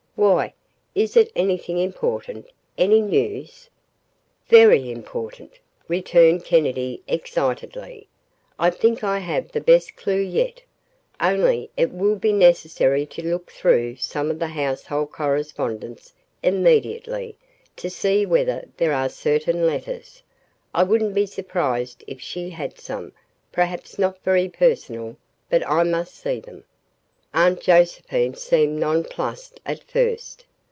"Why? Is it anything important any news?" "Very important," returned Kennedy excitedly. "I think I have the best clue yet. Only it will be necessary to look through some of the household correspondence immediately to see whether there are certain letters. I wouldn't be surprised if she had some perhaps not very personal but I MUST see them." Aunt Josephine seemed nonplussed at first.